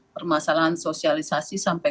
permasalahan sosialisasi sampai